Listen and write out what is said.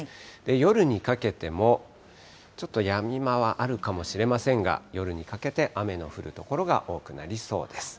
夜にかけても、ちょっとやみ間はあるかもしれませんが、夜にかけて雨の降る所が多くなりそうです。